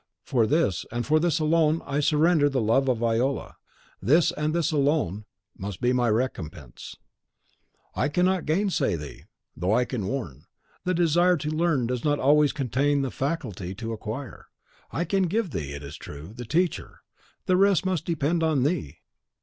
For this, and for this alone, I surrendered the love of Viola; this, and this alone, must be my recompense." "I cannot gain say thee, though I can warn. The desire to learn does not always contain the faculty to acquire. I can give thee, it is true, the teacher, the rest must depend on thee.